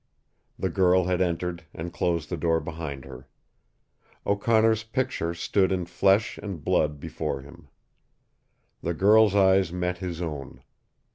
The girl had entered and closed the door behind her. O'Connor's picture stood in flesh and blood before him. The girl's eyes met his own.